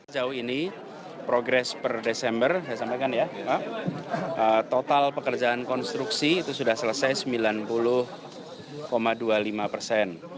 jauh ini progres per desember saya sampaikan ya pak total pekerjaan konstruksi itu sudah selesai sembilan puluh dua puluh lima persen